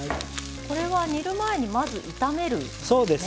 これは煮る前にまず炒めるんですね。